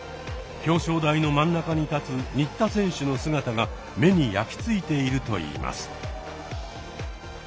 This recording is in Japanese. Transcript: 表彰台の真ん中に立つ新田選手の姿が目に焼き付いているといいます。